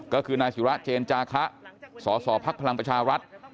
ก็คือนายศิราเจนจาคะสสพลังประชารัฐ